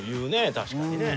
確かにね。